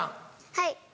はい。